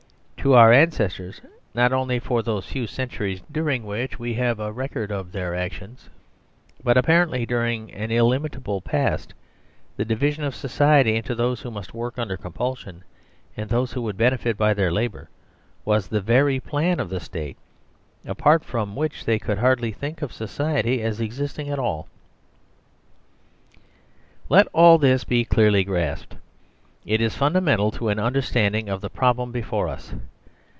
To our ancestors not only for those few centuries during which we have record of their actions, but apparently during an illimitable past, the division of society into those who must work under compulsion and those who would benefit by their labour was the very plan of the State apart from which they could hardly think of society as existing at all. Let all this be clearly grasped. It is fundamental to an understanding of the problem before us.